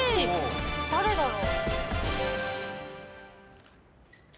誰だろう？